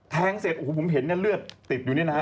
แทงเสร็จผมเห็นเนี่ยเลือดติดอยู่เนี่ยนะ